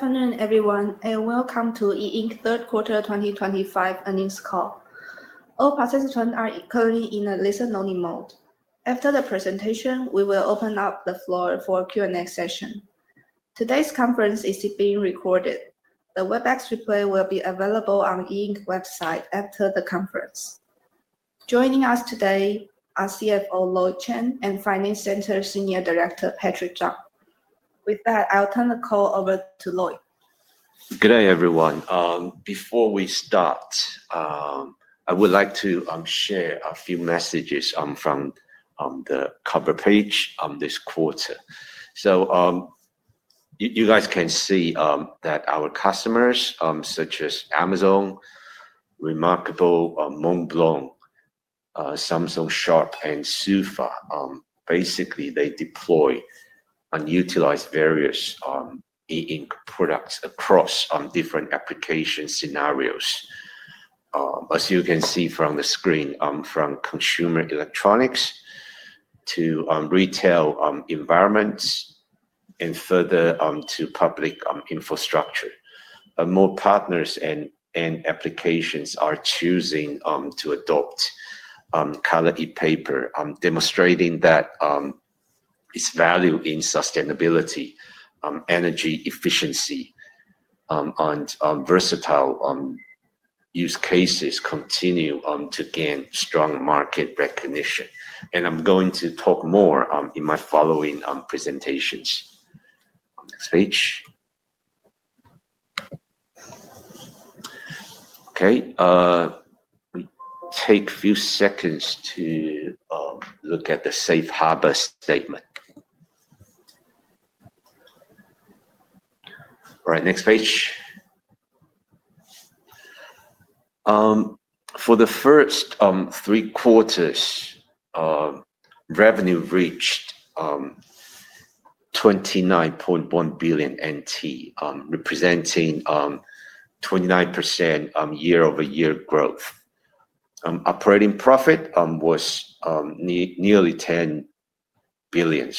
Good afternoon, everyone, and welcome to E Ink Q3 2025 earnings call. All participants are currently in a listen-only mode. After the presentation, we will open up the floor for a Q&A session. Today's conference is being recorded. The Webex replay will be available on the E Ink website after the conference. Joining us today are CFO Lloyd Chen and Finance Center Senior Director Patrick Chang. With that, I'll turn the call over to Lloyd Chen. Good day, everyone. Before we start, I would like to share a few messages from the cover page this quarter. You guys can see that our customers, such as Amazon, Remarkable, Montblanc, Samsung, Sharp, and SUPHAR, basically deploy and utilize various E Ink products across different application scenarios. As you can see from the screen, from consumer electronics to retail environments and further to public infrastructure. More partners and applications are choosing to adopt color e-paper, demonstrating that its value in sustainability, energy efficiency, and versatile use cases continue to gain strong market recognition. I am going to talk more in my following presentations. Next page. Okay. Take a few seconds to look at the Safe Harbor statement. All right, next page. For the first three quarters, revenue reached 29.1 billion NT, representing 29% year-over-year growth. Operating profit was nearly 10 billion,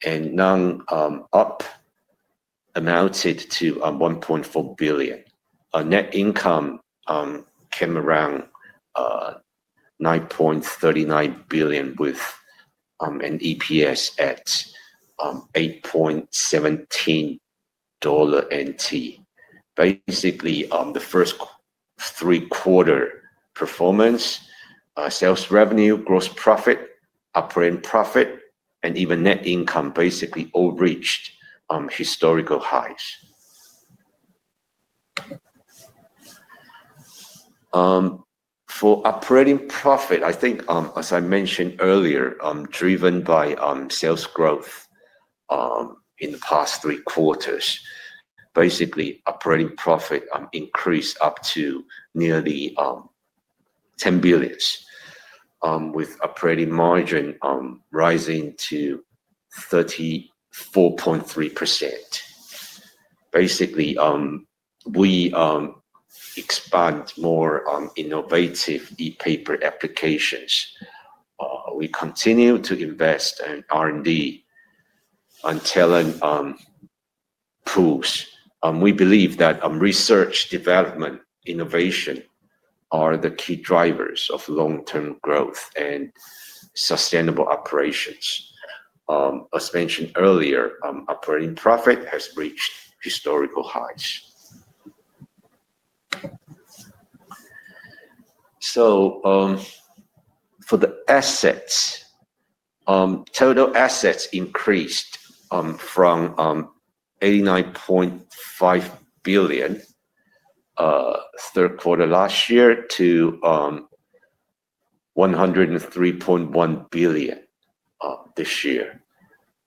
basically 9.99 billion. Non-up amounted to 1.4 billion. Net income came around 9.39 billion with an EPS at 8.17 dollar. Basically, the first three-quarter performance, sales revenue, gross profit, operating profit, and even net income basically all reached historical highs. For operating profit, I think, as I mentioned earlier, driven by sales growth in the past three quarters, basically operating profit increased up to nearly 10 billion, with operating margin rising to 34.3%. Basically, we expand more innovative e-paper applications. We continue to invest in R&D and talent pools. We believe that research, development, and innovation are the key drivers of long-term growth and sustainable operations. As mentioned earlier, operating profit has reached historical highs. For the assets, total assets increased from 89.5 billion Q3 last year to 103.1 billion this year,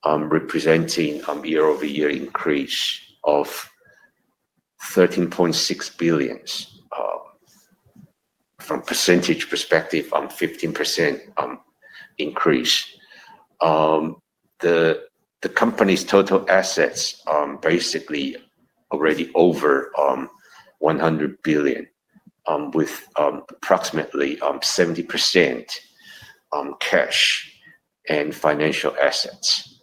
representing year-over-year increase of TWD 13.6 billion. From a percentage perspective, 15% increase. The company's total assets are basically already over NT 100 billion, with approximately 70% cash and financial assets.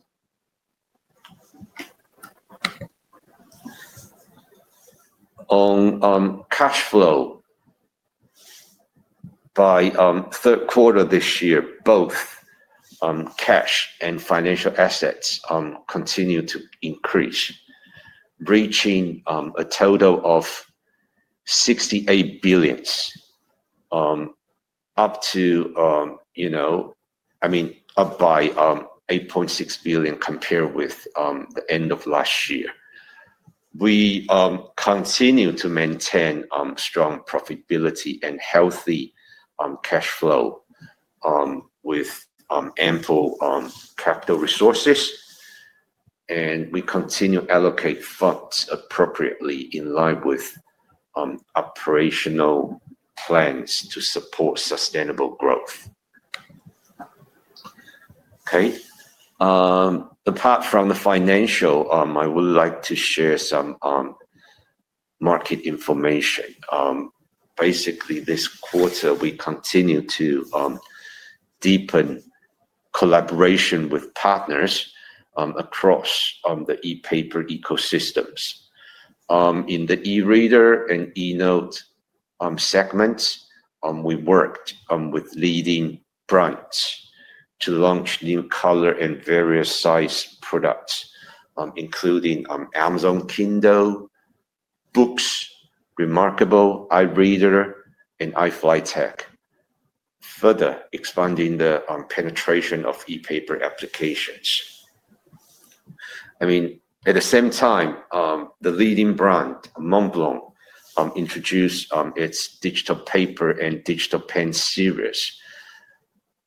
On cash flow, by Q3 this year, both cash and financial assets continue to increase, reaching a total of NT 68 billion, up by NT 8.6 billion compared with the end of last year. We continue to maintain strong profitability and healthy cash flow with ample capital resources. We continue to allocate funds appropriately in line with operational plans to support sustainable growth. Okay. Apart from the financial, I would like to share some market information. Basically, this quarter, we continue to deepen collaboration with partners across the e-paper ecosystems. In the e-reader and e-note segments, we worked with leading brands to launch new color and various size products, including Amazon Kindle, Books, Remarkable, iReader, and iFlytek, further expanding the penetration of e-paper applications. I mean, at the same time, the leading brand, Montblanc, introduced its digital paper and digital pen series,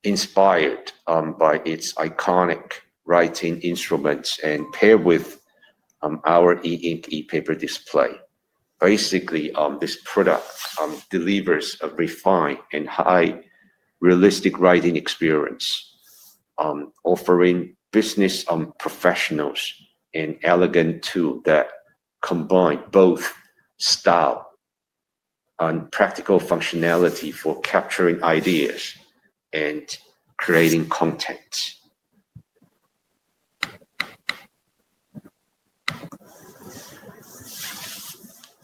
inspired by its iconic writing instruments and paired with our E Ink e-paper display. Basically, this product delivers a refined and high-realistic writing experience, offering business professionals an elegant tool that combines both style and practical functionality for capturing ideas and creating content.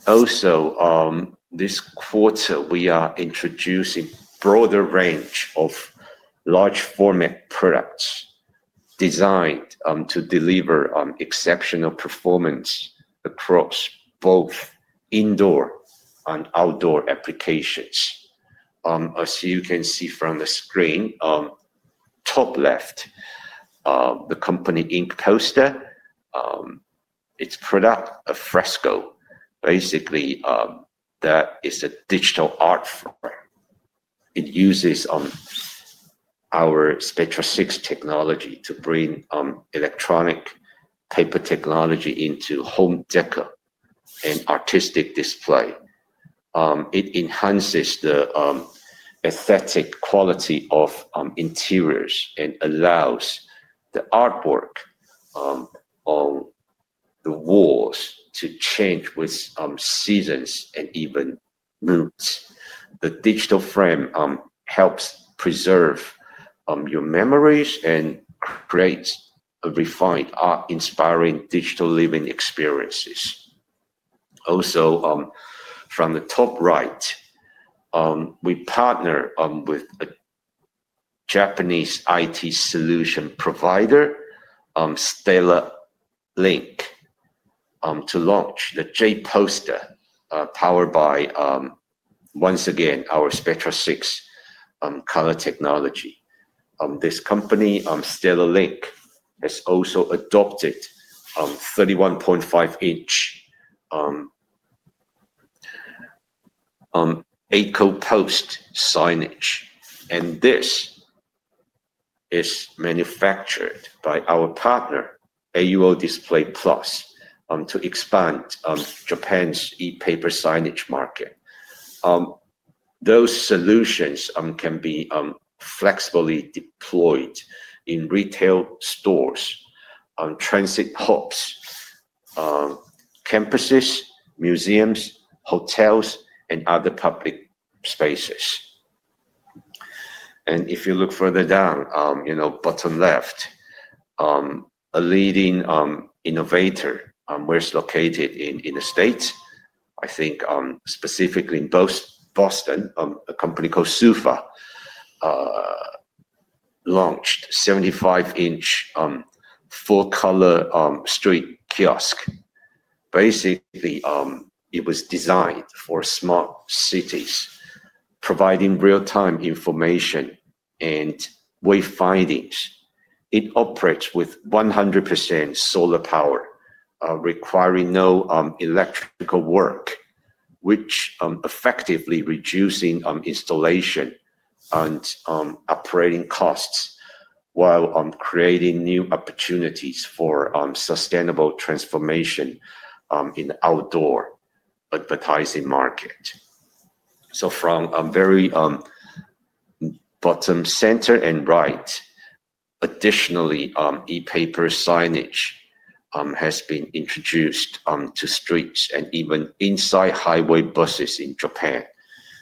Also, this quarter, we are introducing a broader range of large-format products designed to deliver exceptional performance across both indoor and outdoor applications. As you can see from the screen, top left, the company Ink Coaster, its product, a Fresco, basically that is a digital art form. It uses our Spectra 6 technology to bring electronic paper technology into home decor and artistic display. It enhances the aesthetic quality of interiors and allows the artwork on the walls to change with seasons and even moods. The digital frame helps preserve your memories and creates a refined, art-inspiring digital living experiences. Also, from the top right, we partner with a Japanese IT solution provider, STELLALINK, to launch the J-Poster powered by, once again, our Spectra 6 color technology. This company, STELLALINK, has also adopted 31.5-inch Aiko Post signage. This is manufactured by our partner, AUO Display Plus, to expand Japan's e-paper signage market. Those solutions can be flexibly deployed in retail stores, transit hubs, campuses, museums, hotels, and other public spaces. If you look further down, bottom left, a leading innovator where it's located in the states, I think specifically in Boston, a company called SUPHAR launched a 75-inch full-color street kiosk. Basically, it was designed for smart cities, providing real-time information and wayfindings. It operates with 100% solar power, requiring no electrical work, which effectively reduces installation and operating costs while creating new opportunities for sustainable transformation in the outdoor advertising market. From very bottom center and right, additionally, e-paper signage has been introduced to streets and even inside highway buses in Japan.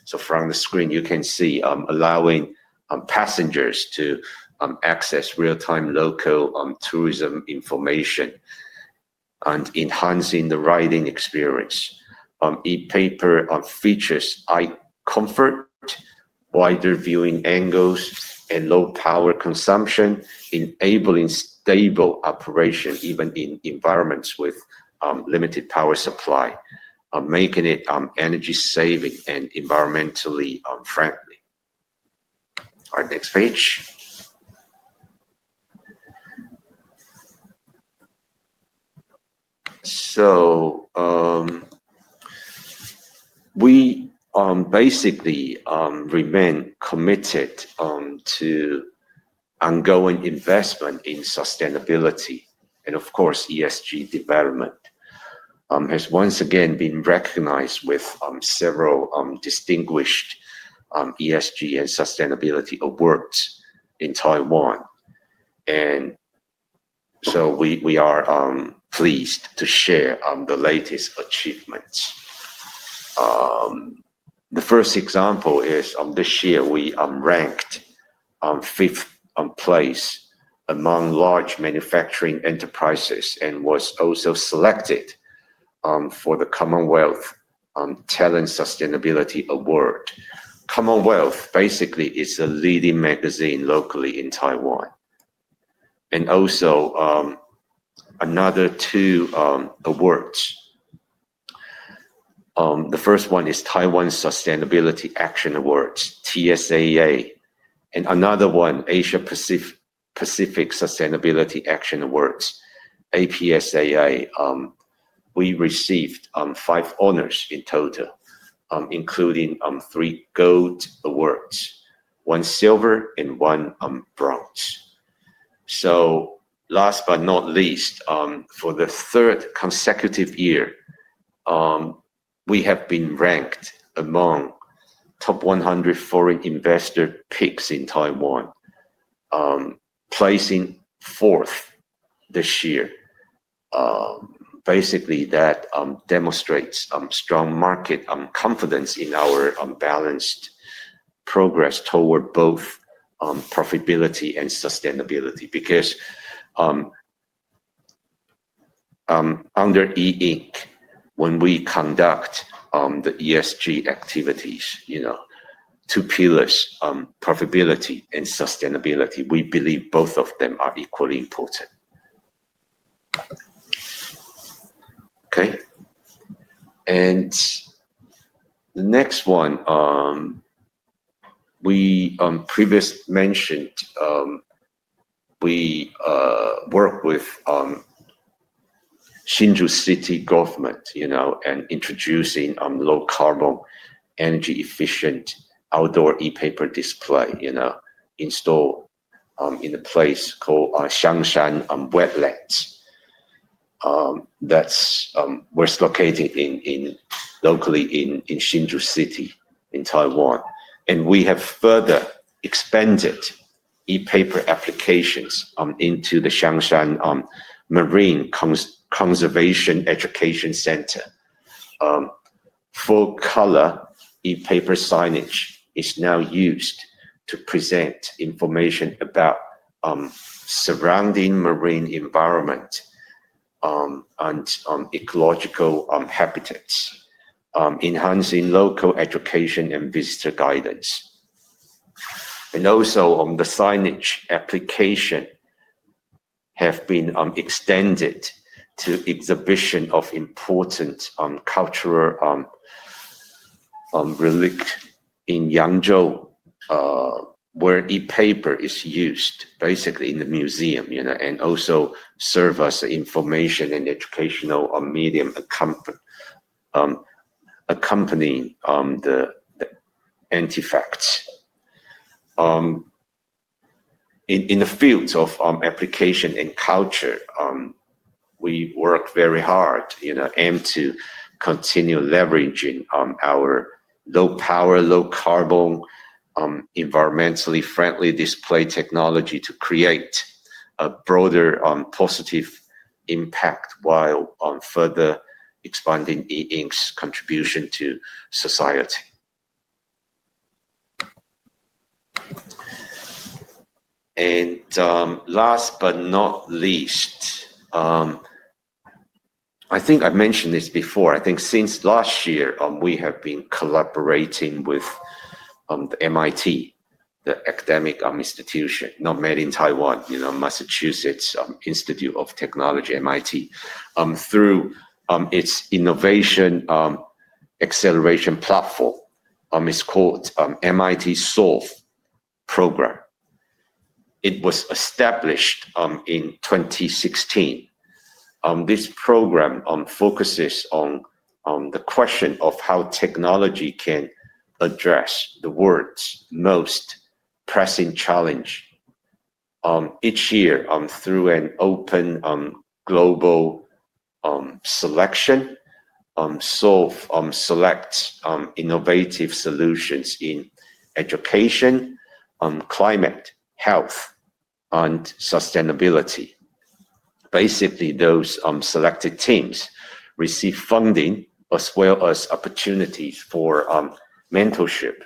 From the screen, you can see allowing passengers to access real-time local tourism information and enhancing the writing experience. E-paper features eye comfort, wider viewing angles, and low power consumption, enabling stable operation even in environments with limited power supply, making it energy-saving and environmentally friendly. All right, next page. We basically remain committed to ongoing investment in sustainability. Of course, ESG development has once again been recognized with several distinguished ESG and sustainability awards in Taiwan. We are pleased to share the latest achievements. The first example is this year, we ranked fifth place among large manufacturing enterprises and were also selected for the Commonwealth Talent Sustainability Award. Commonwealth basically is a leading magazine locally in Taiwan. Also, another two awards. The first one is Taiwan Sustainability Action Awards, TSAA. Another one, Asia-Pacific Sustainability Action Awards, APSAA. We received five honors in total, including three gold awards, one silver, and one bronze. Last but not least, for the third consecutive year, we have been ranked among top 100 foreign investor picks in Taiwan, placing fourth this year. Basically, that demonstrates strong market confidence in our balanced progress toward both profitability and sustainability. Because under E Ink, when we conduct the ESG activities, two pillars, profitability and sustainability, we believe both of them are equally important. Okay. We previously mentioned we work with Hsinchu City government and introducing low-carbon, energy-efficient outdoor e-paper display installed in a place called Xiangshan Wetlands. That is where it is located locally in Hsinchu City in Taiwan. We have further expanded e-paper applications into the Xiangshan Marine Conservation Education Center. Full-color e-paper signage is now used to present information about surrounding marine environment and ecological habitats, enhancing local education and visitor guidance. Also, the signage application has been extended to the exhibition of important cultural relics in Yangmingshan, where e-paper is used basically in the museum and also serves as information and educational medium accompanying the artifacts. In the fields of application and culture, we work very hard and aim to continue leveraging our low-power, low-carbon, environmentally friendly display technology to create a broader positive impact while further expanding E Ink's contribution to society. Last but not least, I think I mentioned this before. I think since last year, we have been collaborating with MIT, the academic institution, not made in Taiwan, Massachusetts Institute of Technology, MIT, through its innovation acceleration platform. It's called MIT Solve Program. It was established in 2016. This program focuses on the question of how technology can address the world's most pressing challenge. Each year, through an open global selection, Solve selects innovative solutions in education, climate, health, and sustainability. Basically, those selected teams receive funding as well as opportunities for mentorship,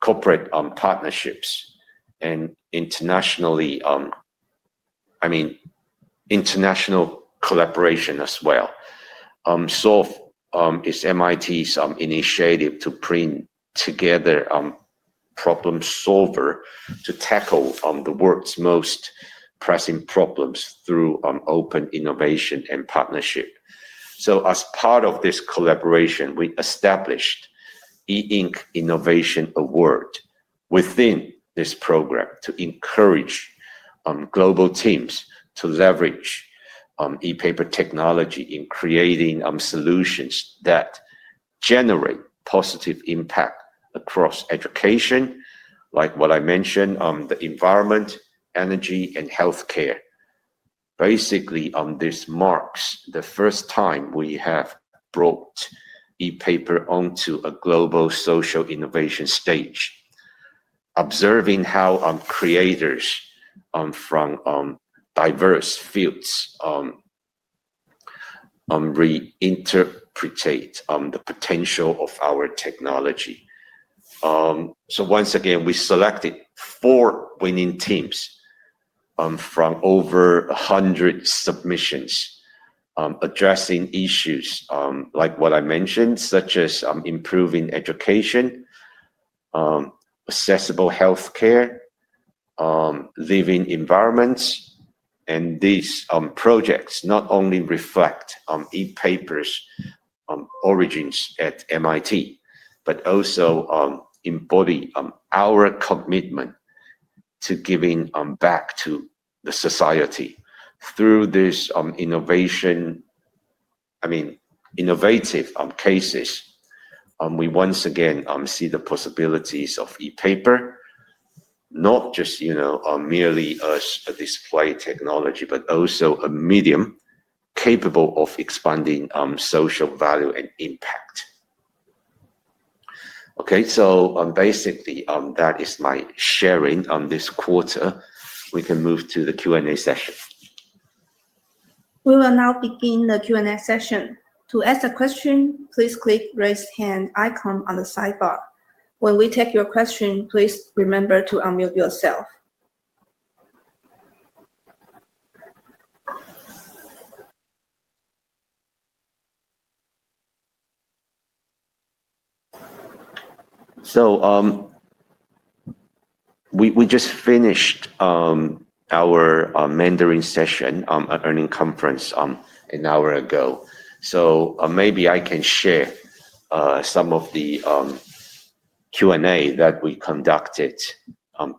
corporate partnerships, and internationally, I mean, international collaboration as well. Solve is MIT's initiative to bring together problem solvers to tackle the world's most pressing problems through open innovation and partnership. As part of this collaboration, we established the E Ink Innovation Award within this program to encourage global teams to leverage e-paper technology in creating solutions that generate positive impact across education, like what I mentioned, the environment, energy, and healthcare. Basically, this marks the first time we have brought e-paper onto a global social innovation stage, observing how creators from diverse fields reinterpret the potential of our technology. Once again, we selected four winning teams from over 100 submissions addressing issues like what I mentioned, such as improving education, accessible healthcare, living environments. These projects not only reflect e-paper's origins at MIT, but also embody our commitment to giving back to society. Through this innovation, I mean, innovative cases, we once again see the possibilities of e-paper, not just merely as a display technology, but also a medium capable of expanding social value and impact. Okay. Basically, that is my sharing on this quarter. We can move to the Q&A session. We will now begin the Q&A session. To ask a question, please click the raise hand icon on the sidebar. When we take your question, please remember to unmute yourself. We just finished our Mandarin session at Earning Conference an hour ago. Maybe I can share some of the Q&A that we conducted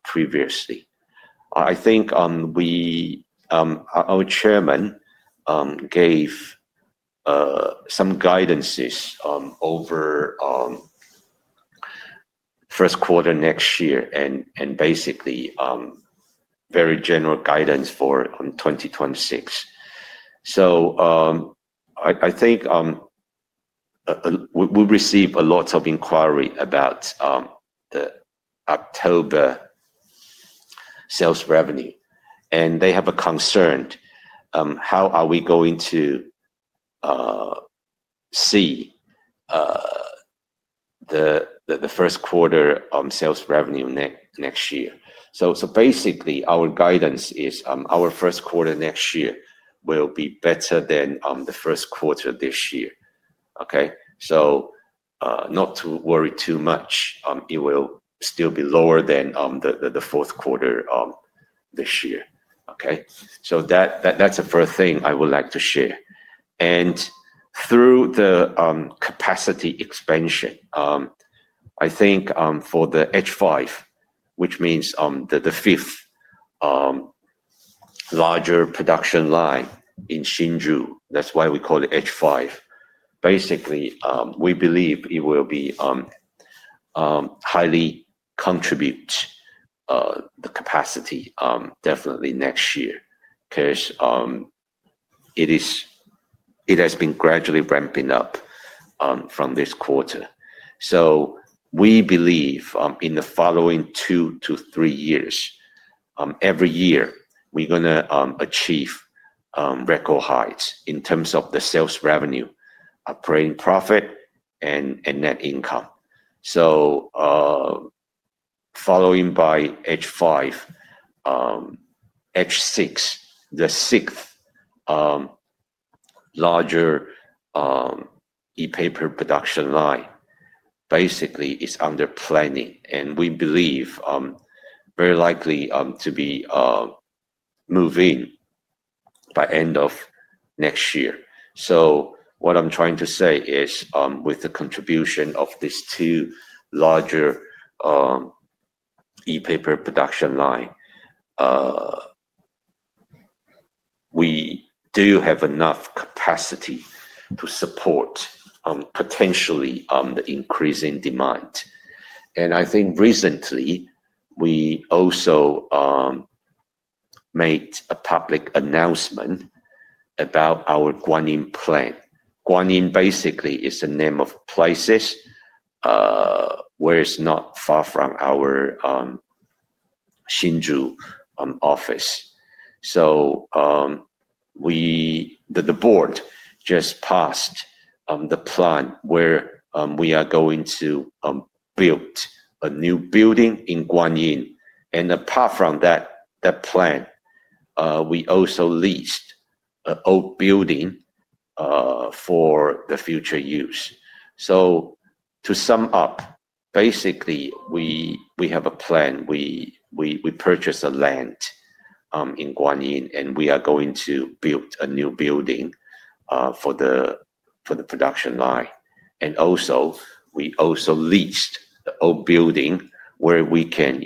previously. I think our Chairman gave some guidances over Q1 next year and basically very general guidance for 2026. I think we received a lot of inquiries about the October sales revenue. They have a concern: how are we going to see the Q1 sales revenue next year? Basically, our guidance is our Q1 next year will be better than the Q1 this year. Not to worry too much, it will still be lower than the Q4 this year. That is the first thing I would like to share. Through the capacity expansion, I think for the H5, which means the fifth larger production line in Hsinchu, that is why we call it H5. Basically, we believe it will highly contribute to the capacity definitely next year because it has been gradually ramping up from this quarter. We believe in the following two to three years, every year, we're going to achieve record highs in terms of the sales revenue, operating profit, and net income. Following by H5, H6, the sixth larger e-paper production line basically is under planning. We believe very likely to be moving by the end of next year. What I'm trying to say is with the contribution of these two larger e-paper production lines, we do have enough capacity to support potentially the increasing demand. I think recently, we also made a public announcement about our Guanyin plant. Guanyin basically is the name of places where it's not far from our Hsinchu office. The board just passed the plan where we are going to build a new building in Guanyin. Apart from that plan, we also leased an old building for future use. To sum up, basically, we have a plan. We purchased land in Guanyin, and we are going to build a new building for the production line. We also leased the old building where we can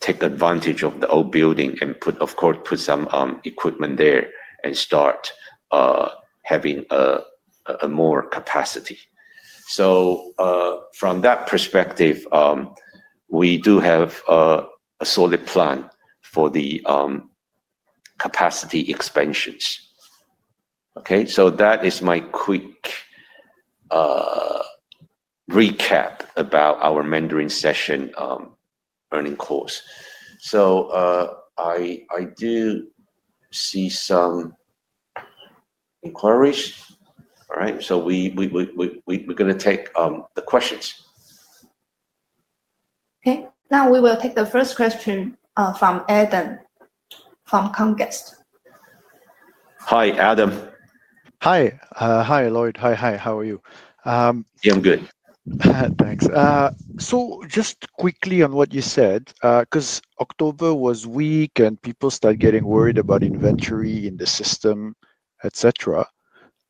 take advantage of the old building and, of course, put some equipment there and start having more capacity. From that perspective, we do have a solid plan for the capacity expansions. Okay. That is my quick recap about our Mandarin session earning course. I do see some inquiries. All right. We are going to take the questions. Okay. Now we will take the first question from Adam Miller from Comcast. Hi, Adam Miller. Hi. Hi, Lloyd Chen. Hi. How are you? Yeah, I'm good. Thanks. Just quickly on what you said, because October was weak and people started getting worried about inventory in the system, etc.,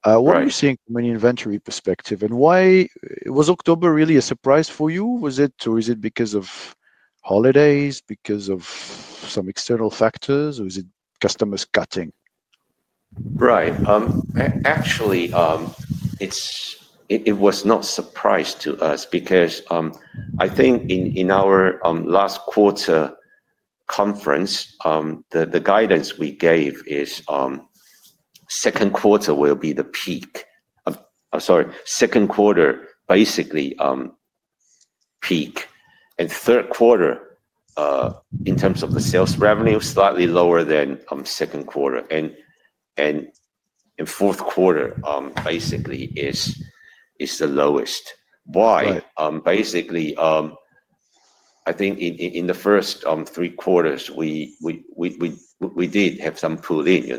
what are you seeing from an inventory perspective? Was October really a surprise for you? Was it because of holidays, because of some external factors, or was it customers cutting? Right. Actually, it was not a surprise to us because I think in our last quarter conference, the guidance we gave is Q2 will be the peak of—sorry, Q2 basically peak. Q3, in terms of the sales revenue, slightly lower than Q2. Q4 basically is the lowest. Why? Basically, I think in the first three quarters, we did have some pull-in.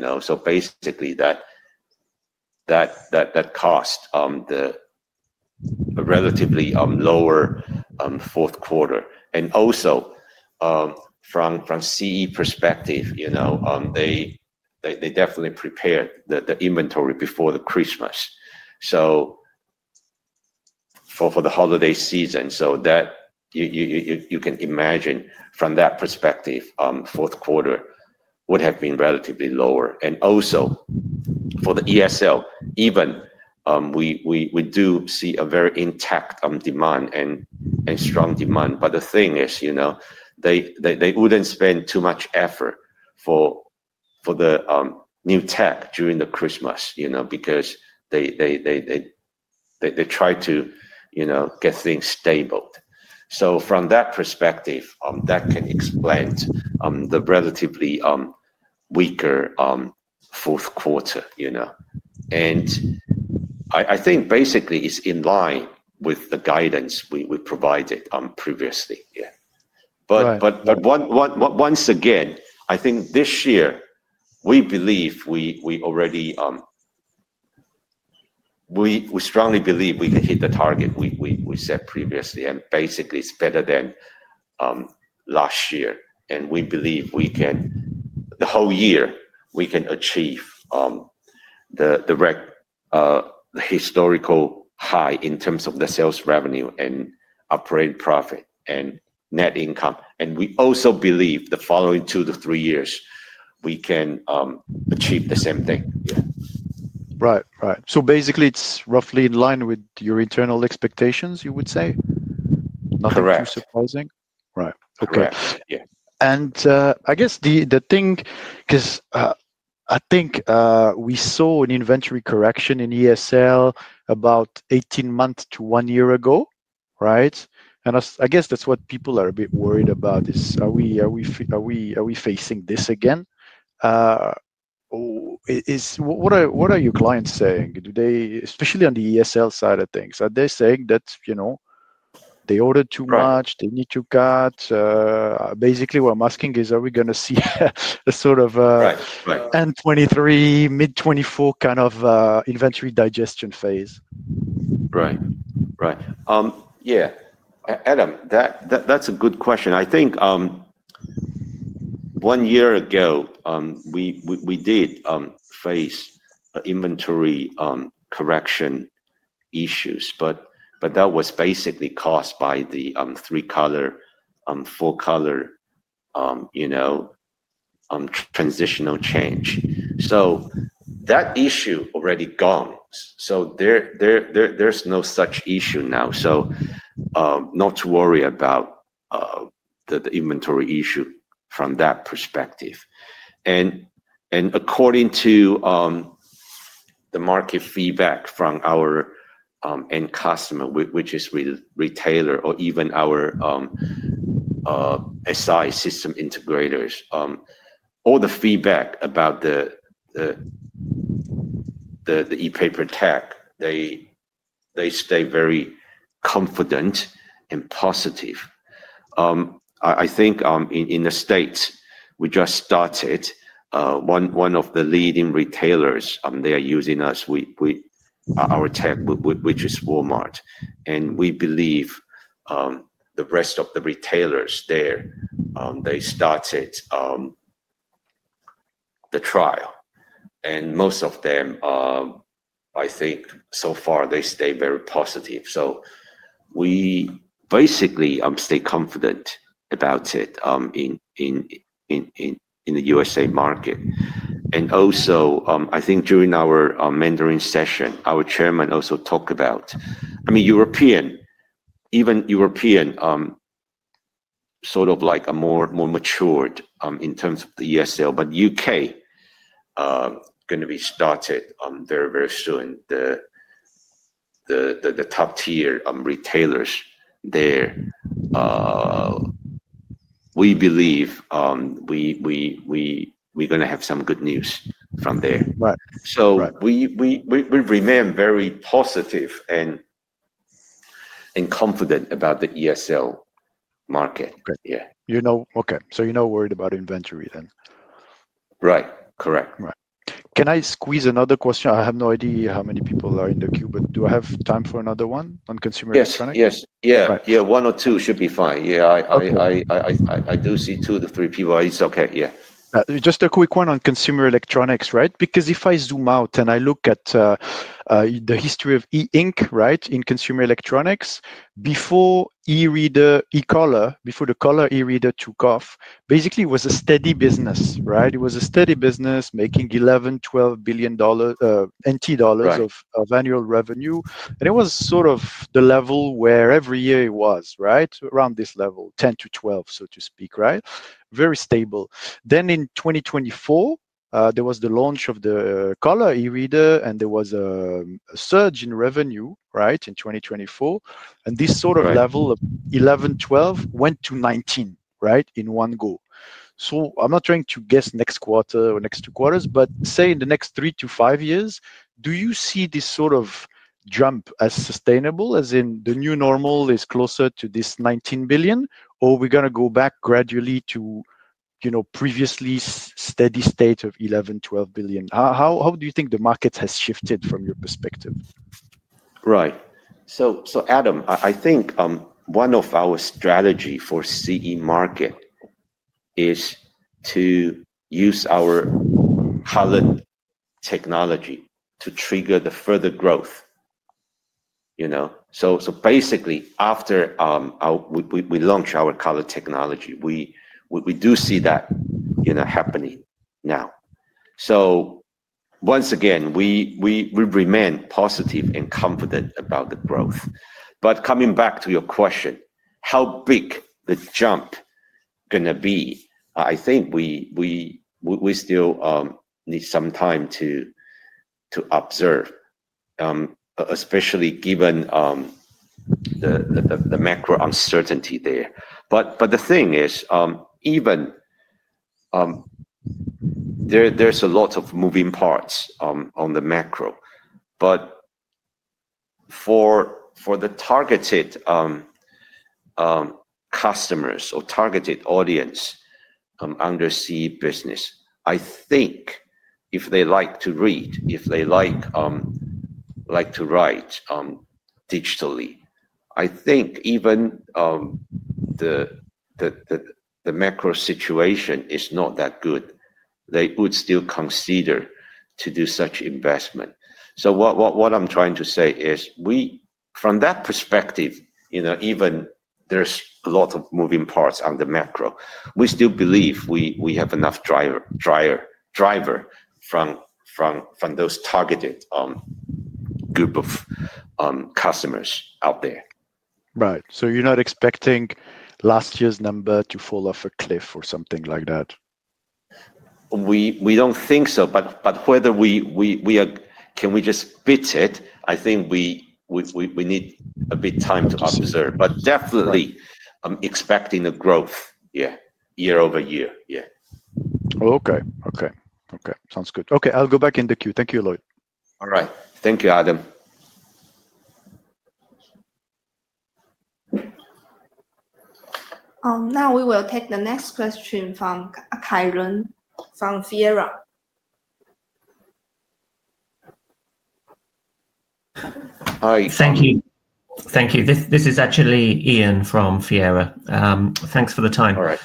That caused the relatively lower Q4. Also, from CE perspective, they definitely prepared the inventory before Christmas for the holiday season. You can imagine from that perspective, Q4 would have been relatively lower. Also, for the ESL, even though we do see a very intact demand and strong demand, the thing is they would not spend too much effort for the new tech during Christmas because they try to get things stable. From that perspective, that can explain the relatively weaker Q4. I think basically it is in line with the guidance we provided previously. Yeah. Once again, I think this year, we believe we already—we strongly believe we can hit the target we set previously. Basically, it is better than last year. We believe the whole year we can achieve the historical high in terms of the sales revenue and operating profit and net income. We also believe the following two to three years, we can achieve the same thing. Yeah. Right. Right. So basically, it's roughly in line with your internal expectations, you would say? Correct. Nothing too surprising, right? Okay. Correct. Yeah. I guess the thing because I think we saw an inventory correction in ESL about 18 months to one year ago, right? I guess that's what people are a bit worried about. Are we facing this again? What are your clients saying? Especially on the ESL side of things, are they saying that they ordered too much, they need to cut? Basically, what I'm asking is, are we going to see a sort of end 2023, mid 2024 kind of inventory digestion phase? Right. Right. Yeah. Adam Miller, that's a good question. I think one year ago, we did face inventory correction issues, but that was basically caused by the three-color, four-color transitional change. That issue is already gone. There is no such issue now. Not to worry about the inventory issue from that perspective. According to the market feedback from our end customer, which is retailer or even our SI system integrators, all the feedback about the e-paper tech, they stay very confident and positive. I think in the U.S., we just started one of the leading retailers. They are using us, our tech, which is Walmart. We believe the rest of the retailers there started the trial. Most of them, I think so far, they stay very positive. We basically stay confident about it in the U.S.A. market. Also, I think during our Mandarin session, our Chairman also talked about, I mean, European, even European sort of like a more matured in terms of the ESL, but U.K. going to be started very, very soon, the top-tier retailers there. We believe we're going to have some good news from there. We remain very positive and confident about the ESL market. Yeah. Okay. So you're not worried about inventory then? Right. Correct. Right. Can I squeeze another question? I have no idea how many people are in the queue, but do I have time for another one on consumer electronics? Yes. Yes. Yeah. One or two should be fine. I do see two to three people. It's okay. Yeah. Just a quick one on consumer electronics, right? Because if I zoom out and I look at the history of E Ink, right, in consumer electronics, before e-reader, e-color, before the color e-reader took off, basically, it was a steady business, right? It was a steady business making 11 billion, 12 billion dollars of annual revenue. And it was sort of the level where every year it was, right, around this level, 10 billion to 12 billion, so to speak, right? Very stable. In 2024, there was the launch of the color e-reader, and there was a surge in revenue, right, in 2024. This sort of level of 11 billion, 12 billion went to 19 billion, right, in one go. I'm not trying to guess next quarter or next two quarters, but say in the next three-five years, do you see this sort of jump as sustainable as in the new normal is closer to this TWD dollars 19 billion, or we're going to go back gradually to previously steady state of TWD dollars 11-12 billion? How do you think the market has shifted from your perspective? Right. Adam Miller, I think one of our strategies for the CE market is to use our color technology to trigger further growth. Basically, after we launch our color technology, we do see that happening now. Once again, we remain positive and confident about the growth. Coming back to your question, how big the jump is going to be, I think we still need some time to observe, especially given the macro uncertainty there. The thing is, even though there are a lot of moving parts on the macro, for the targeted customers or targeted audience under the CE business, if they like to read, if they like to write digitally, even if the macro situation is not that good, they would still consider making such an investment. What I'm trying to say is, from that perspective, even though there's a lot of moving parts on the macro, we still believe we have enough driver from those targeted group of customers out there. Right. So you're not expecting last year's number to fall off a cliff or something like that? We don't think so. Whether we can just beat it, I think we need a bit of time to observe. Definitely, I'm expecting the growth year over year. Yeah. Okay. Sounds good. Okay. I'll go back in the queue. Thank you, Lloyd Chen. All right. Thank you, Adam Miller. Now we will take the next question from [Kyron] from Fiera. Hi. Thank you. Thank you. This is actually Ian Simmons from Fiera. Thanks for the time. All right.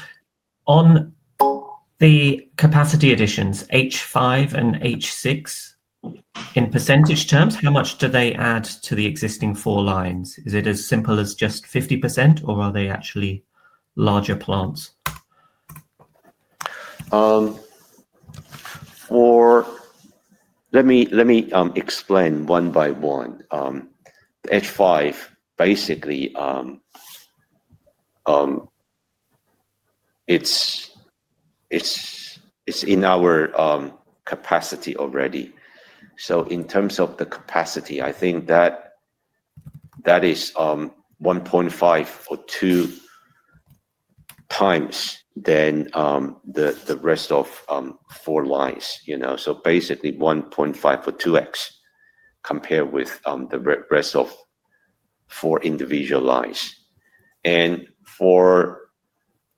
On the capacity additions, H5 and H6, in percentage terms, how much do they add to the existing four lines? Is it as simple as just 50%, or are they actually larger plants? Let me explain one-by-one. H5, basically, it's in our capacity already. In terms of the capacity, I think that is 1.5x or 2x than the rest of four lines. Basically, 1.5x or 2x compared with the rest of four individual lines. For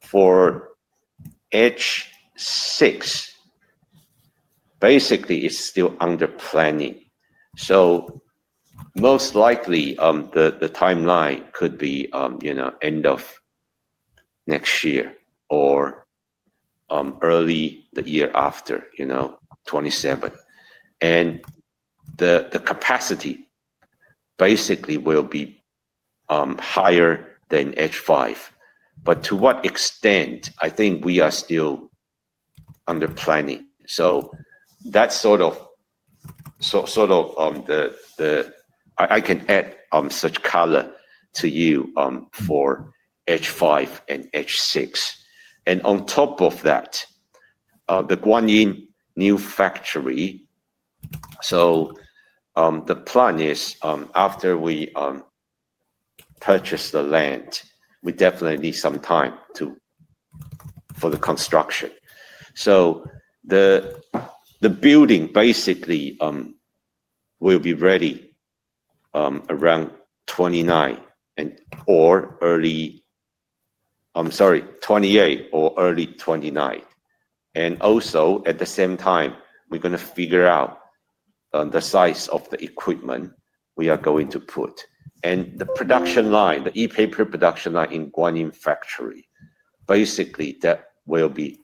H6, basically, it's still under planning. Most likely, the timeline could be end of next year or early the year after, 2027. The capacity basically will be higher than H5. To what extent, I think we are still under planning. That's sort of the color I can add to you for H5 and H6. On top of that, the Guanyin new factory. The plan is after we purchase the land, we definitely need some time for the construction. The building basically will be ready around 2029 or early—I'm sorry, 2028 or early 2029. At the same time, we're going to figure out the size of the equipment we are going to put. The production line, the e-paper production line in Guanyin factory, basically, that will be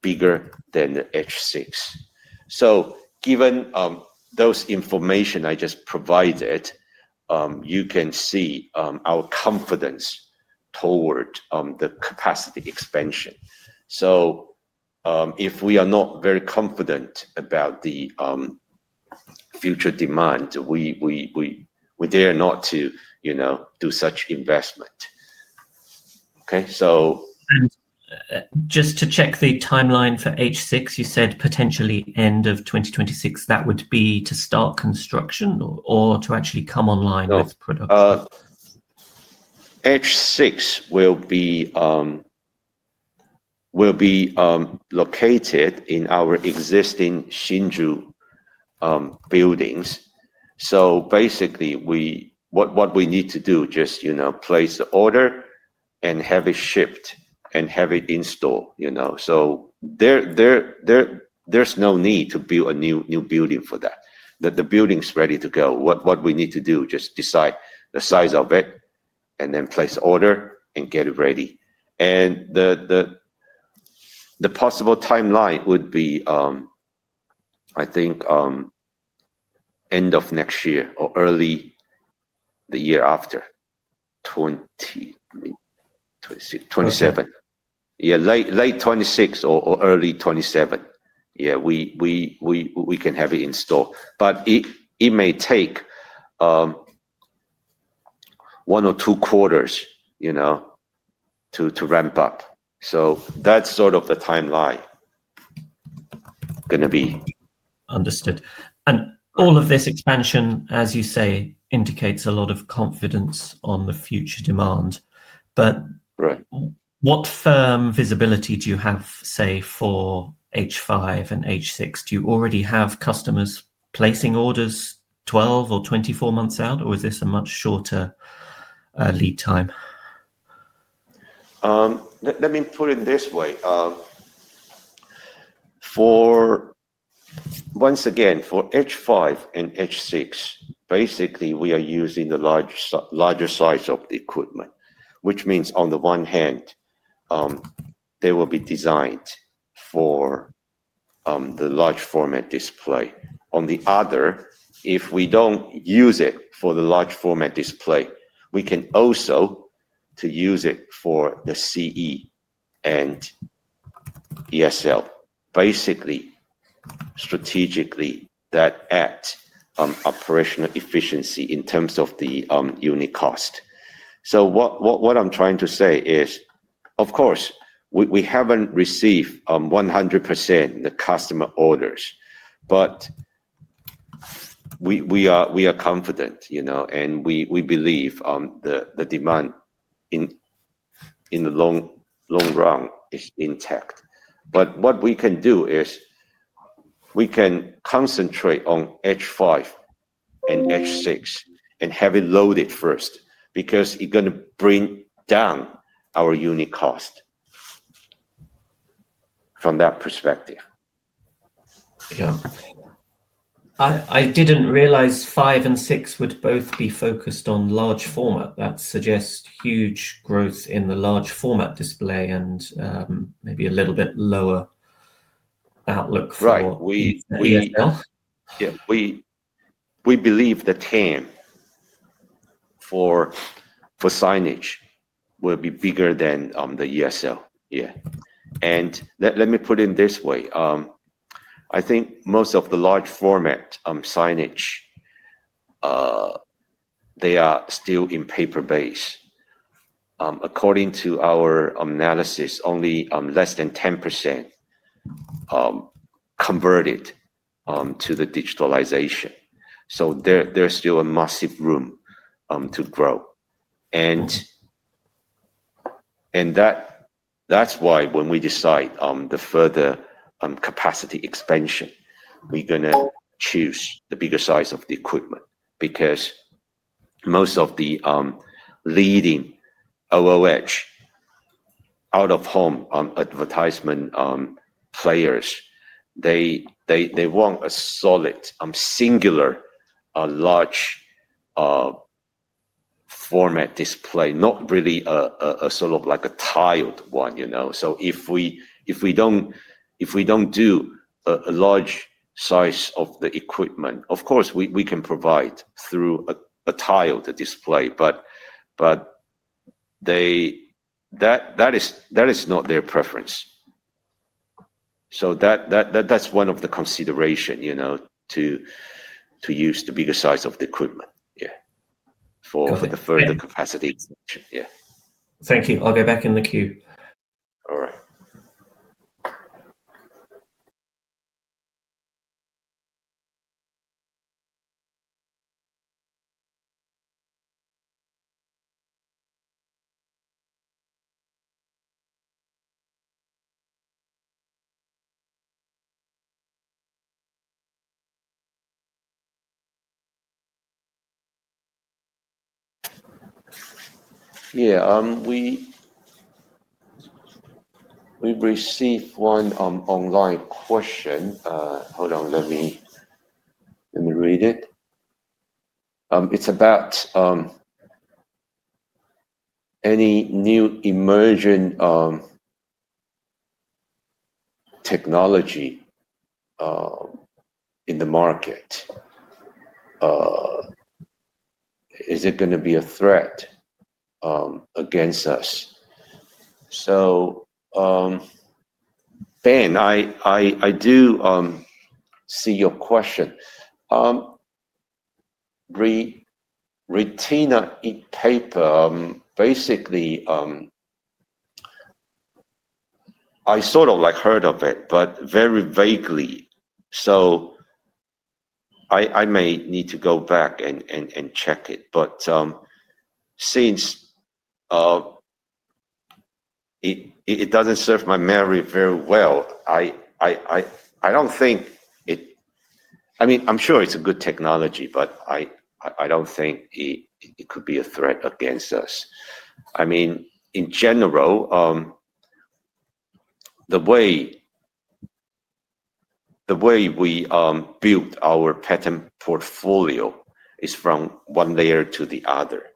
bigger than the H6. Given those information I just provided, you can see our confidence toward the capacity expansion. If we are not very confident about the future demand, we dare not to do such investment. Okay? Just to check the timeline for H6, you said potentially end of 2026. That would be to start construction or to actually come online with production? H6 will be located in our existing Hsinchu buildings. So basically, what we need to do is just place the order and have it shipped and have it installed. There is no need to build a new building for that. The building is ready to go. What we need to do is just decide the size of it and then place the order and get it ready. The possible timeline would be, I think, end of next year or early the year after, 2027. Yeah. Late 2026 or early 2027. Yeah. We can have it installed. It may take one or two quarters to ramp up. That is sort of the timeline going to be. Understood. All of this expansion, as you say, indicates a lot of confidence on the future demand. What firm visibility do you have, say, for H5 and H6? Do you already have customers placing orders 12 months or 24 months out, or is this a much shorter lead time? Let me put it this way. Once again, for H5 and H6, basically, we are using the larger size of the equipment, which means on the one hand, they will be designed for the large format display. On the other, if we do not use it for the large format display, we can also use it for the CE and ESL. Basically, strategically, that adds operational efficiency in terms of the unit cost. What I am trying to say is, of course, we have not received 100% the customer orders, but we are confident, and we believe the demand in the long run is intact. What we can do is we can concentrate on H5 and H6 and have it loaded first because it is going to bring down our unit cost from that perspective. Yeah. I did not realize five and six would both be focused on large format. That suggests huge growth in the large format display and maybe a little bit lower outlook for H5. Right. Yeah. We believe the TAM for signage will be bigger than the ESL. Yeah. Let me put it this way. I think most of the large format signage, they are still in paper-based. According to our analysis, only less than 10% converted to the digitalization. There is still a massive room to grow. That is why when we decide the further capacity expansion, we are going to choose the bigger size of the equipment because most of the leading OOH, out-of-home advertisement players, they want a solid, singular, large format display, not really sort of like a tiled one. If we do not do a large size of the equipment, of course, we can provide through a tiled display, but that is not their preference. That is one of the considerations to use the bigger size of the equipment, yeah, for the further capacity. Thank you. I'll go back in the queue. All right. Yeah. We received one online question. Hold on. Let me read it. It's about any new emerging technology in the market. Is it going to be a threat against us? So Ben, I do see your question. Retainer e-paper, basically, I sort of heard of it, but very vaguely. I may need to go back and check it. Since it does not serve my memory very well, I do not think it—I mean, I am sure it is a good technology, but I do not think it could be a threat against us. I mean, in general, the way we built our patent portfolio is from one layer to the other.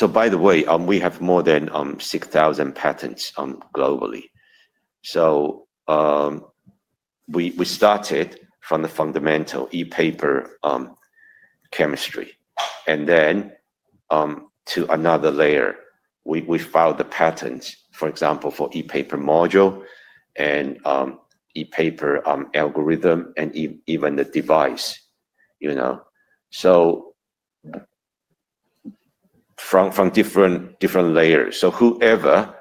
By the way, we have more than 6,000 patents globally. We started from the fundamental e-paper chemistry. Then to another layer, we filed the patents, for example, for e-paper module and e-paper algorithm and even the device. From different layers. Whoever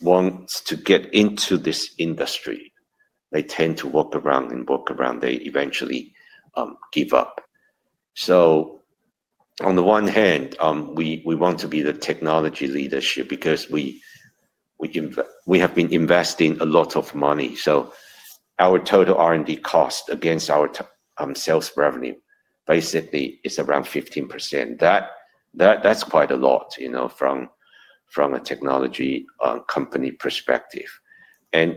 wants to get into this industry, they tend to walk around and walk around. They eventually give up. On the one hand, we want to be the technology leadership because we have been investing a lot of money. Our total R&D cost against our sales revenue basically is around 15%. That is quite a lot from a technology company perspective.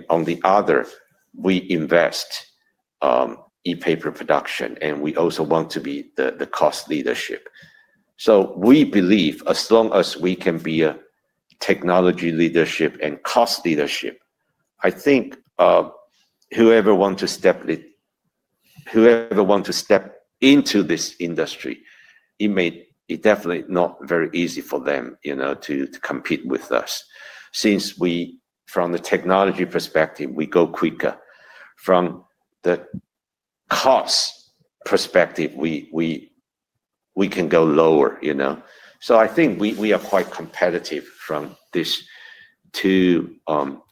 On the other, we invest in e-paper production, and we also want to be the cost leadership. We believe as long as we can be a technology leadership and cost leadership, I think whoever wants to step into this industry, it may be definitely not very easy for them to compete with us. Since from the technology perspective, we go quicker. From the cost perspective, we can go lower. I think we are quite competitive from these two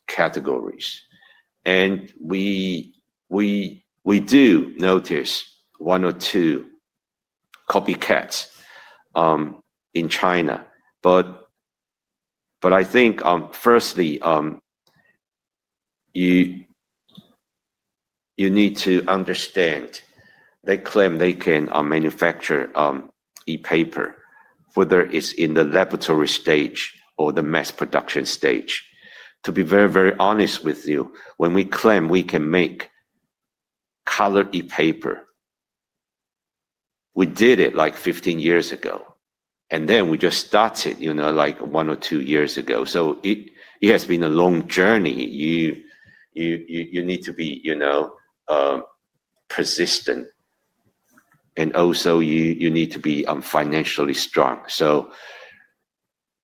categories. We do notice one or two copycats in China. I think, firstly, you need to understand they claim they can manufacture e-paper, whether it is in the laboratory stage or the mass production stage. To be very, very honest with you, when we claim we can make colored e-paper, we did it like 15 years ago. We just started like one or two years ago. It has been a long journey. You need to be persistent. You also need to be financially strong.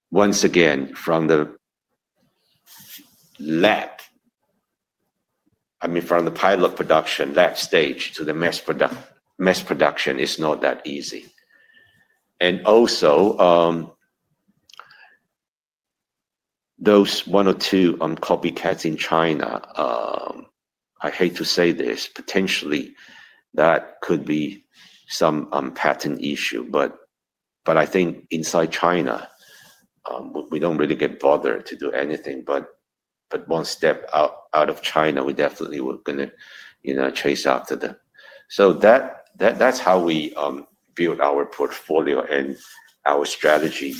Once again, from the lab, I mean, from the pilot production, lab stage to the mass production is not that easy. Those one or two copycats in China, I hate to say this, potentially that could be some patent issue. I think inside China, we do not really get bothered to do anything. Once we step out of China, we definitely are going to chase after them. That is how we build our portfolio and our strategy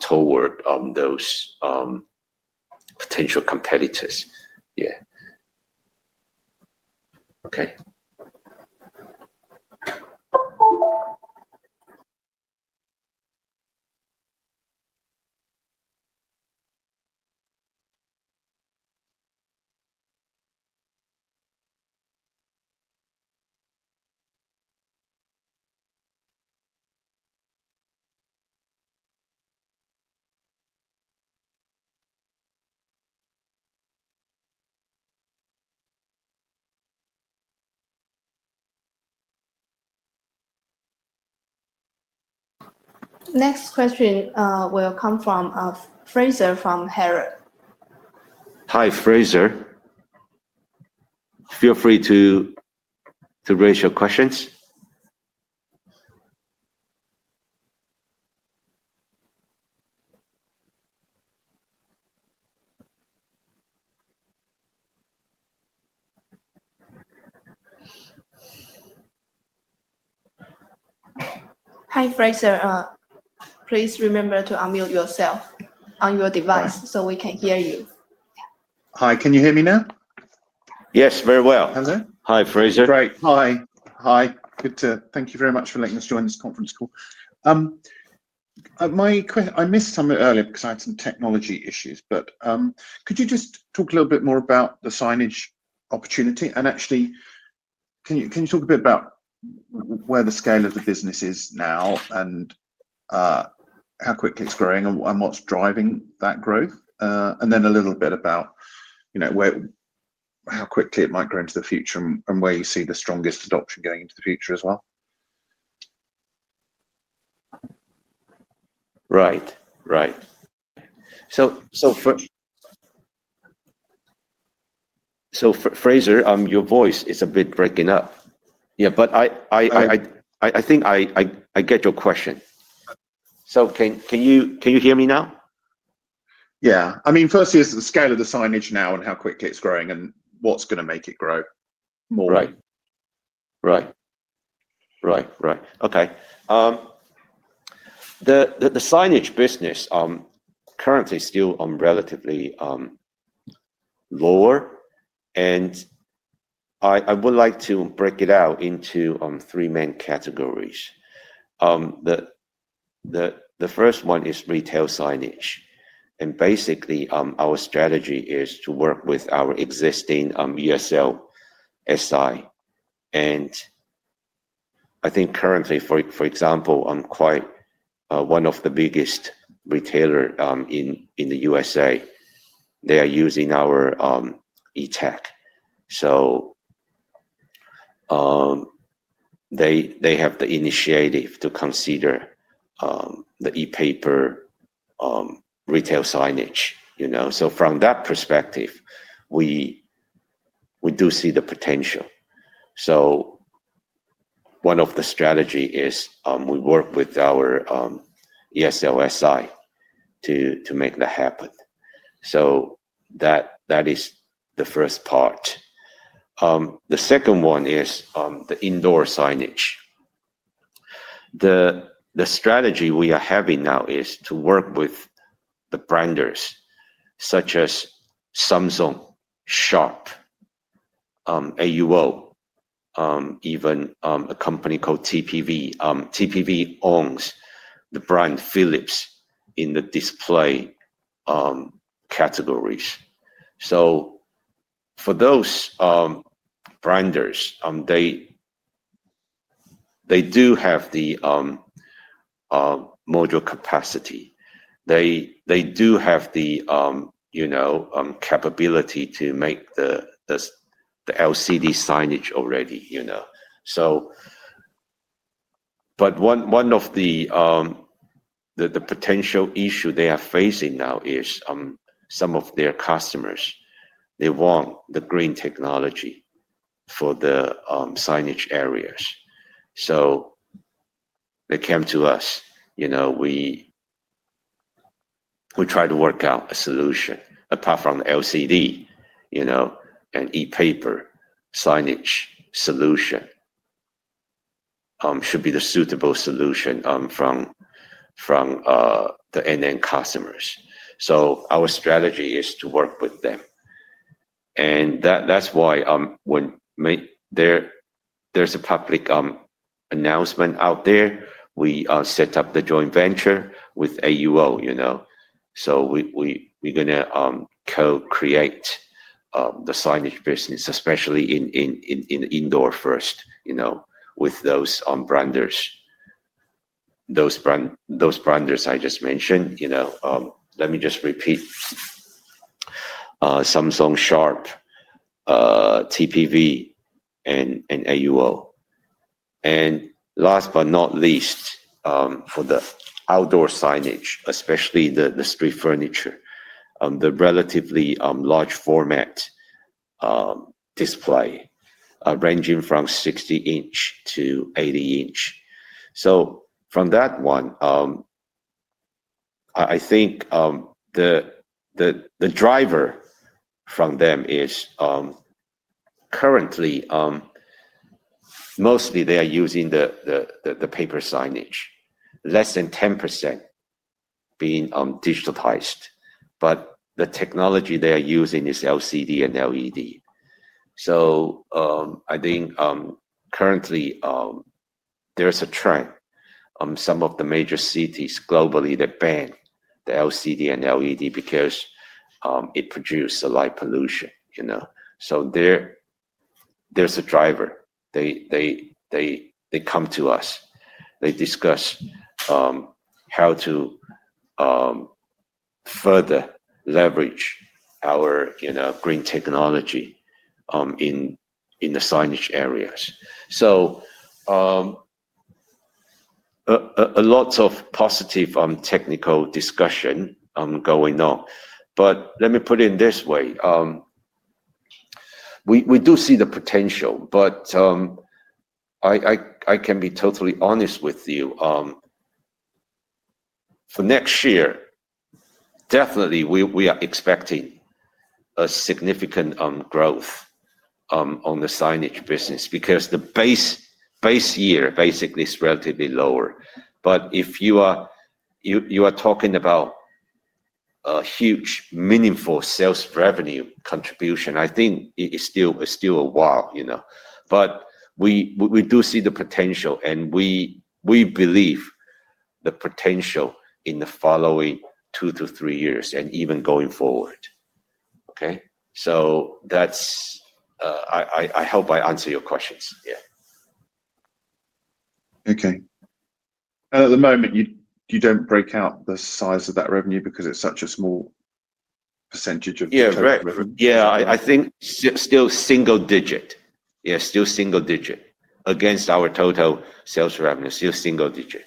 toward those potential competitors. Yeah.Okay. Next question will come from Fraser from Harvard. Hi, Fraser. Feel free to raise your questions. Hi, Fraser. Please remember to unmute yourself on your device so we can hear you. Hi. Can you hear me now? Yes, very well. Hello? Hi, Fraser. Great. Hi. Good to thank you very much for letting us join this conference call. I missed some earlier because I had some technology issues. Could you just talk a little bit more about the signage opportunity? Actually, can you talk a bit about where the scale of the business is now and how quickly it's growing and what's driving that growth? A little bit about how quickly it might grow into the future and where you see the strongest adoption going into the future as well. Right. Right. Fraser, your voice is a bit breaking up. Yeah. I think I get your question. Can you hear me now? Yeah. I mean, firstly, it's the scale of the signage now and how quickly it's growing and what's going to make it grow more. Right. Okay. The signage business currently is still relatively lower. I would like to break it out into three main categories. The first one is retail signage. Basically, our strategy is to work with our existing ESL SI. I think currently, for example, one of the biggest retailers in the U.S.A., they are using our e-tech. They have the initiative to consider the e-paper retail signage. From that perspective, we do see the potential. One of the strategies is we work with our ESL SI to make that happen. That is the first part. The second one is the indoor signage. The strategy we are having now is to work with the branders such as Samsung, Sharp, AUO, even a company called TPV. TPV owns the brand Philips in the display categories. For those branders, they do have the module capacity. They do have the capability to make the LCD signage already. One of the potential issues they are facing now is some of their customers want the green technology for the signage areas. They came to us. We tried to work out a solution. Apart from the LCD and e-paper signage solution should be the suitable solution from the end-end customers. Our strategy is to work with them. That is why when there is a public announcement out there, we set up the joint venture with AUO. We are going to co-create the signage business, especially in indoor first with those branders. Those branders I just mentioned. Let me just repeat: Samsung, Sharp, TPV, and AUO. Last but not least, for the outdoor signage, especially the street furniture, the relatively large format display ranging from 60-inch to 80-inch. From that one, I think the driver from them is currently mostly they are using the paper signage, less than 10% being digitalized. The technology they are using is LCD and LED. I think currently there's a trend. Some of the major cities globally ban the LCD and LED because it produces a lot of pollution. There's a driver. They come to us. They discuss how to further leverage our green technology in the signage areas. A lot of positive technical discussion going on. Let me put it in this way. We do see the potential. I can be totally honest with you. For next year, definitely, we are expecting a significant growth on the signage business because the base year basically is relatively lower. If you are talking about a huge, meaningful sales revenue contribution, I think it's still a while. We do see the potential. We believe the potential in the following two to three years and even going forward. Okay? I hope I answered your questions. Yeah. Okay. At the moment, you don't break out the size of that revenue because it's such a small percentage of revenue? Yeah. Correct. Yeah. I think still single digit. Yeah. Still single digit against our total sales revenue. Still single digit.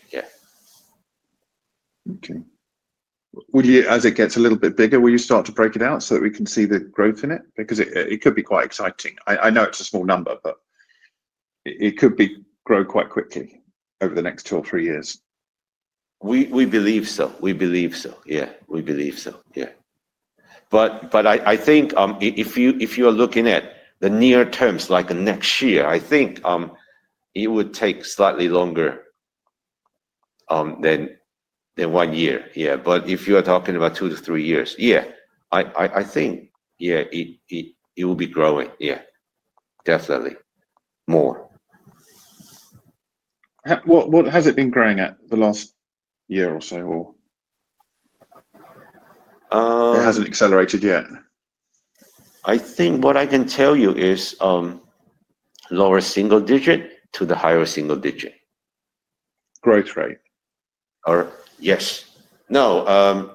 Okay. As it gets a little bit bigger, will you start to break it out so that we can see the growth in it? Because it could be quite exciting. I know it's a small number, but it could grow quite quickly over the next two or three years. We believe so. Yeah. But I think if you are looking at the near terms, like next year, I think it would take slightly longer than one year. Yeah. If you are talking about two-three years, yeah, I think, yeah, it will be growing. Yeah. Definitely more. What has it been growing at the last year or so? It hasn't accelerated yet. I think what I can tell you is lower-single-digit to the higher-single-digit. Growth rate? Yes. No.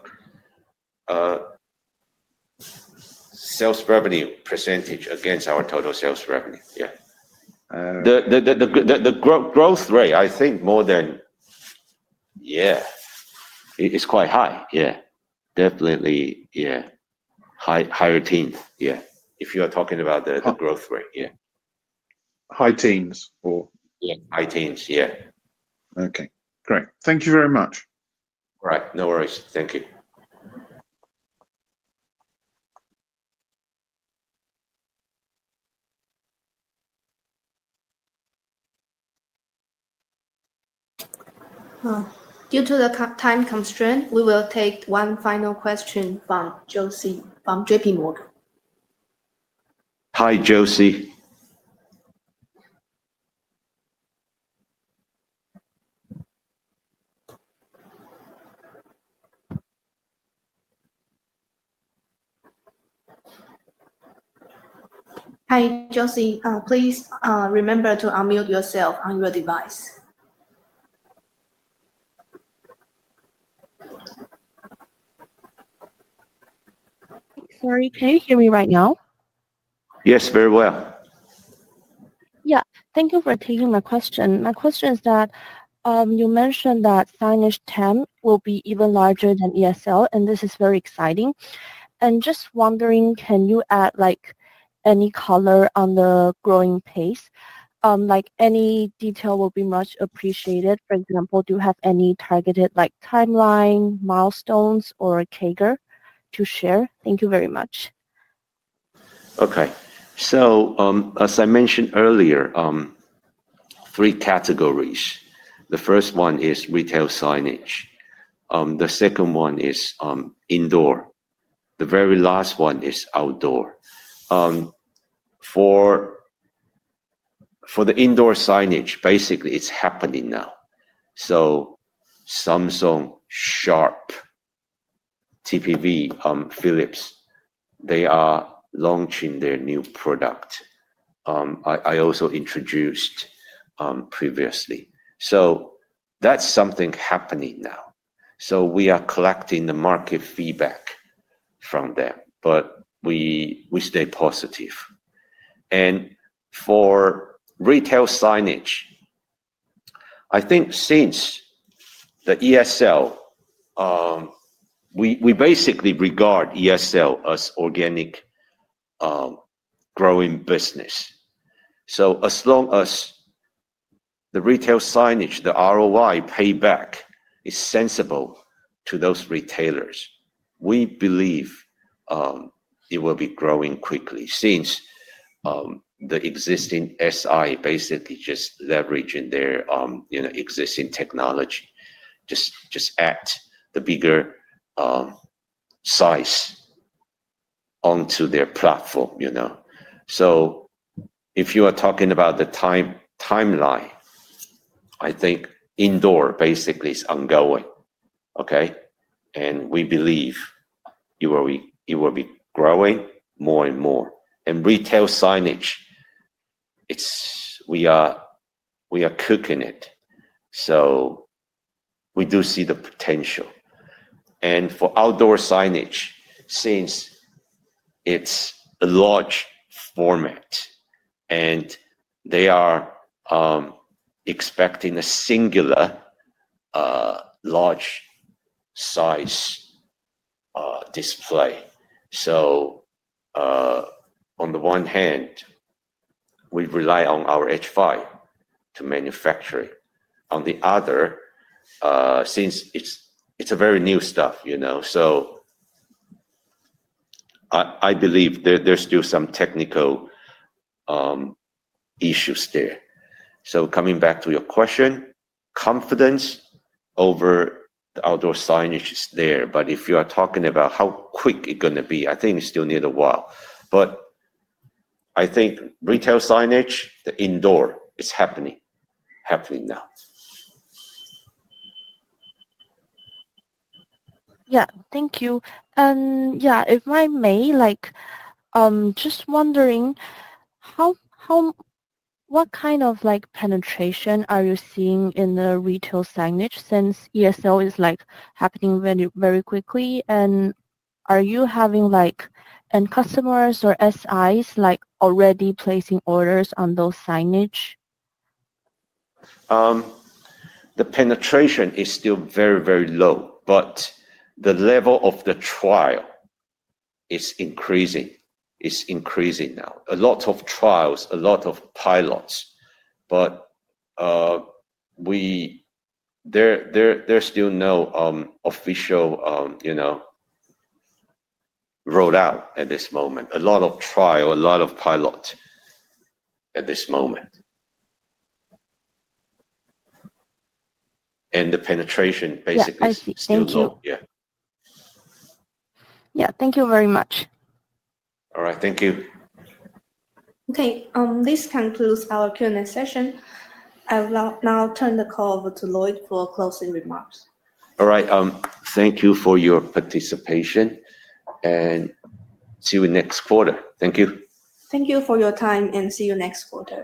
Sales revenue percentage against our total sales revenue. Yeah. The growth rate, I think, more than yeah. It's quite high. Yeah. Definitely. Yeah. Higher teens. Yeah. If you are talking about the growth rate. Yeah. High-teens or? Yeah. High teens. Yeah. Okay. Great. Thank you very much. All right. No worries. Thank you. Due to the time constraint, we will take one final question from Josie Fair from JP Morgan. Hi, Josie Fair. Hi, Josie Fair. Please remember to unmute yourself on your device. Sorry. Can you hear me right now? Yes, very well. Yeah. Thank you for taking my question. My question is that you mentioned that signage TAM will be even larger than ESL, and this is very exciting. Just wondering, can you add any color on the growing pace? Any detail will be much appreciated. For example, do you have any targeted timeline, milestones, or a CAGR to share? Thank you very much. Okay. As I mentioned earlier, three categories. The first one is retail signage. The second one is indoor. The very last one is outdoor. For the indoor signage, basically, it's happening now. Samsung, Sharp, TPV, Philips, they are launching their new product I also introduced previously. That's something happening now. We are collecting the market feedback from them. We stay positive. For retail signage, I think since the ESL, we basically regard ESL as organic growing business. As long as the retail signage, the ROI, payback is sensible to those retailers, we believe it will be growing quickly since the existing SI basically just leveraging their existing technology just at the bigger size onto their platform. If you are talking about the timeline, I think indoor basically is ongoing. We believe it will be growing more and more. Retail signage, we are cooking it. We do see the potential. For outdoor signage, since it is a large format and they are expecting a singular large-size display, on the one hand, we rely on our H5 to manufacture it. On the other, since it is very new stuff, I believe there are still some technical issues there. Coming back to your question, confidence over the outdoor signage is there. If you are talking about how quick it is going to be, I think it still needs a while. I think retail signage, the indoor, is happening now. Yeah. Thank you. If I may, just wondering, what kind of penetration are you seeing in the retail signage since ESL is happening very quickly? Are you having end customers or SIs already placing orders on those signage? The penetration is still very, very low. The level of the trial is increasing. It's increasing now. A lot of trials, a lot of pilots. There's still no official rollout at this moment. A lot of trial, a lot of pilot at this moment. The penetration basically is still low. Yeah. Thank you very much. All right. Thank you. Okay. This concludes our Q&A session. I will now turn the call over to Lloyd Chen for closing remarks. All right. Thank you for your participation. See you next quarter. Thank you. Thank you for your time. See you next quarter.